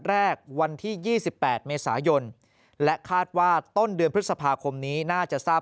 แรกวันที่๒๘เมษายนและคาดว่าต้นเดือนพฤษภาคมนี้น่าจะทราบ